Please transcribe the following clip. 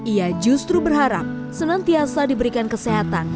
ia justru berharap senantiasa diberikan kesehatan